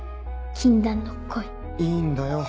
禁断の恋いいんだよ